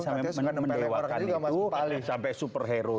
mendewakan itu sampai superhero